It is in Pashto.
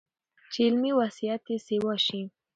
چې علمي وسعت ئې سېوا شي